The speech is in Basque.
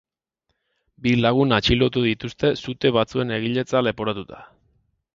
Bi lagun atxilotu dituzte sute batzuen egiletza leporatuta.